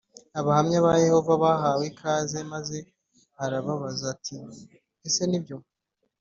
Abahamya ba Yehova bahawe ikaze maze arababaza ati ese nibyo